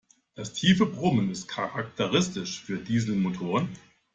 Das tiefe Brummen ist charakteristisch für Dieselmotoren.